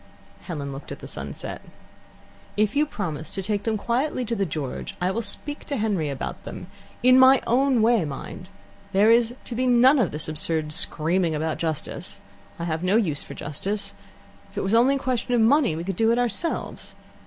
Helen looked at the sunset. "If you promise to take them quietly to the George, I will speak to Henry about them in my own way, mind; there is to be none of this absurd screaming about justice. I have no use for justice. If it was only a question of money, we could do it ourselves.